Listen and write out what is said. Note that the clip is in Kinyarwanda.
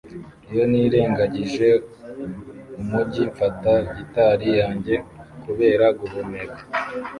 Iyo nirengagije umujyi mfata gitari yanjye kubera guhumeka